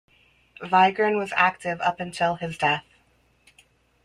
Vigran was active up until his death.